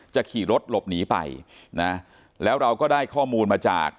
ขี่รถหลบหนีไปนะแล้วเราก็ได้ข้อมูลมาจาก